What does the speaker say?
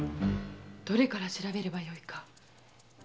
どれから調べればよいか。